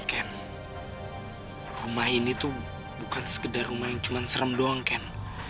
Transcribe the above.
ken rumah ini tuh bukan sekedar rumah yang cuman serem doang ken